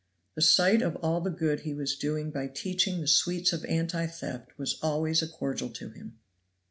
The sight of all the good he was doing by teaching the sweets of anti theft was always a cordial to him.